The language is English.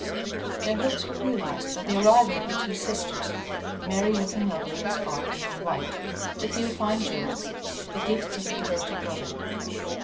Their hopes were realized by the arrival of the two sisters, Mary looking lovely and sparkling in white with a few fine jewels, the gifts of her devoted brother.